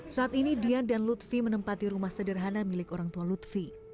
saat ini dian dan lutfi menempati rumah sederhana milik orang tua lutfi